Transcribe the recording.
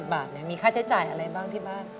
บาทมีค่าใช้จ่ายอะไรบ้างที่บ้าน